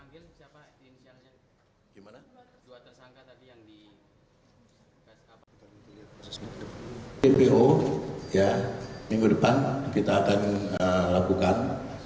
kita masih berusaha untuk melakukan